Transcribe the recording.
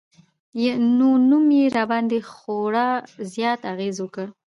نو نوم يې راباندې خوړا زيات اغېز وکړ